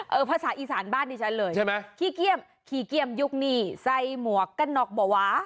เออภาษาอีสานบ้านดิฉันเลยขี้เกียมขี้เกียมยุกษ์นี่ใส่หมวกกันนอกบ่ววะ